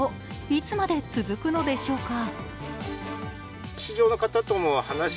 いつまで続くのでしょうか。